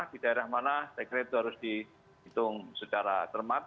di daerah mana saya kira itu harus dihitung secara cermat